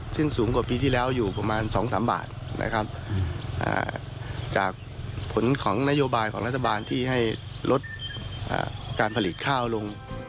ซึ่งสูงกว่าปีที่แล้วอยู่ประมาณ๒๓บาทนะครับจากผลของนโยบายของรัฐบาลที่ให้ลดการผลิตข้าวลง